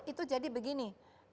itu jadi begini